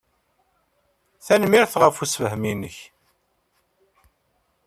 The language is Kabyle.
Tanemmirt ɣef ussefhem-nnek.